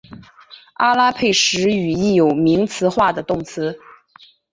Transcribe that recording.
阿拉佩什语亦有名词化的动词。